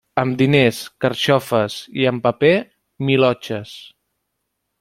Amb diners, carxofes, i amb paper, milotxes.